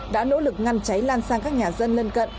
đã nỗ lực ngăn cháy lan sang các nhà dân lân cận